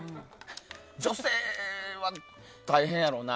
女性は大変やろうな。